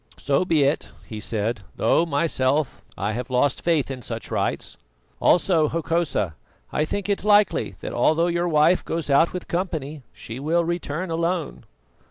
"So be it," he said, "though myself I have lost faith in such rites. Also, Hokosa, I think it likely that although your wife goes out with company, she will return alone."